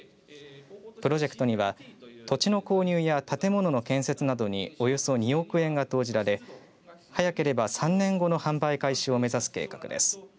プロジェクトには土地の購入や建物の建設などにおよそ２億円が投じられ早ければ３年後の販売開始を目指す計画です。